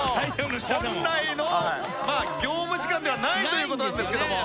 本来の業務時間ではないという事なんですけども。